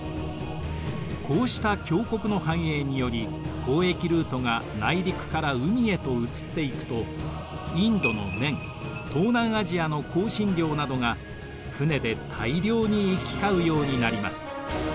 こうした強国の繁栄により交易ルートが内陸から海へと移っていくとインドの綿東南アジアの香辛料などが船で大量に行き交うようになります。